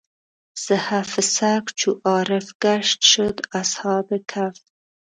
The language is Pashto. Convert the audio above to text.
زحف سګ چو عارف ګشت شد اصحاب کهف.